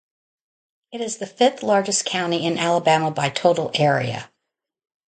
It is the fifth-largest county in Alabama by total area.